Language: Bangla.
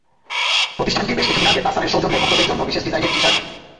প্রতিষ্ঠানটি বেশ কিছুদিন আগে তাহসানের সৌজন্যে ভক্তদের জন্য বিশেষ ডিজাইনের টি-শার্ট এনেছিল।